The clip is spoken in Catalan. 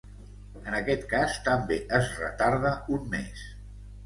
En aquest cas, també es retarda un mes.